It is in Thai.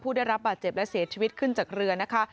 ได้รับบาดเจ็บและเสียชีวิตขึ้นจากเรือนะคะ